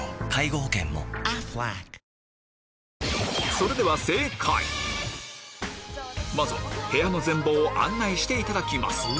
それでは正解まずは部屋の全貌を案内していただきます